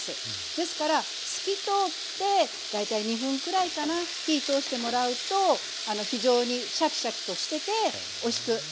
ですから透き通って大体２分くらいかな火通してもらうと非常にシャキシャキとしてておいしくできます。